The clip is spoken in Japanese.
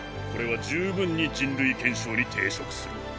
これは十分に人類憲章に抵触する。